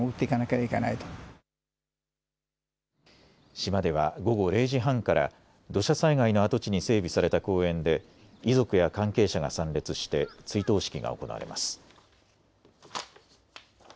島では午後０時半から土砂災害の跡地に整備された公園で遺族や関係者が参列して追悼式が行われます。